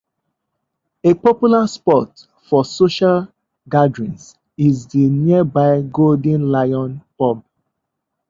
A popular spot for social gatherings is the nearby Golden Lion Pub.